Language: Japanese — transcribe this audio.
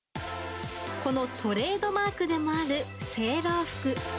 このトレードマークでもあるセーラー服。